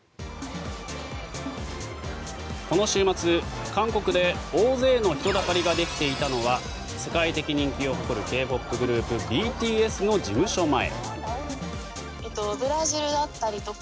この週末、韓国で大勢の人だかりができていたのは世界的人気を誇るＫ−ＰＯＰグループＢＴＳの事務所前。